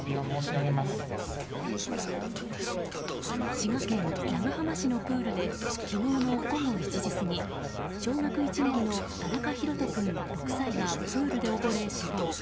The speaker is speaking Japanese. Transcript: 滋賀県長浜市のプールで昨日の午後１時過ぎ小学１年の田中大翔君、６歳がプールで溺れ死亡。